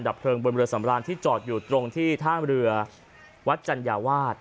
เลิงบนเรือสำราญที่จอดอยู่ตรงที่ท่ามเรือวัดจัญญาวาส